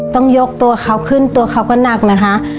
ต้องยกตัวเขาขึ้นตัวเขาก็หนักนะคะ